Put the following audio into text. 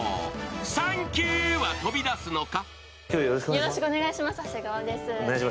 サンキューは飛び出すのか？